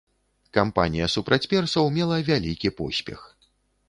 Кампанія супраць персаў мела вялікі поспех.